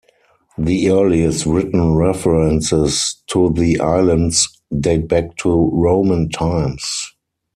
The earliest written references to the islands date back to Roman times.